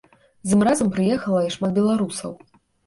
З ім разам прыехала і шмат беларусаў.